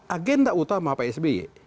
agenda utama pak sby